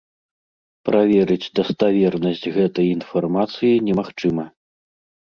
Праверыць даставернасць гэтай інфармацыі немагчыма.